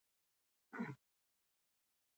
حق تل برلاسی وي.